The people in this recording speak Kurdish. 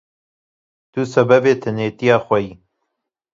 Tu sebebê tenêtiya xwe yî.